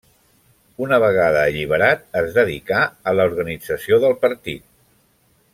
Una vegada alliberat es dedicà a l'organització del partit.